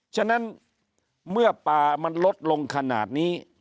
ฉะนั้นเมื่อป่ามันลดลงขนาดนี้